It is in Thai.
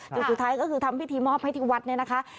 อย่างสุดท้ายก็คือทำพิธีมอบให้ที่วัดนะคะ